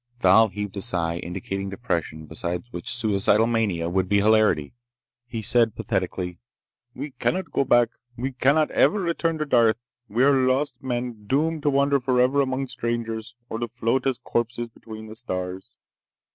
Thal heaved a sigh, indicating depression beside which suicidal mania would be hilarity. He said pathetically: "We cannot go back. We cannot ever return to Darth. We are lost men, doomed to wander forever among strangers, or to float as corpses between the stars."